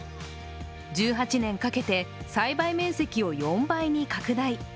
１８年かけて、栽培面積を４倍に拡大。